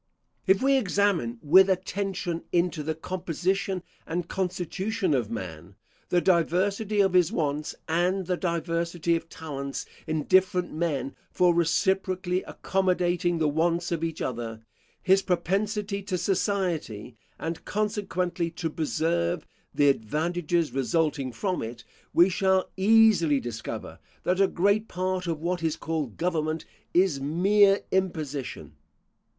If we examine with attention into the composition and constitution of man, the diversity of his wants, and the diversity of talents in different men for reciprocally accommodating the wants of each other, his propensity to society, and consequently to preserve the advantages resulting from it, we shall easily discover, that a great part of what is called government is mere imposition.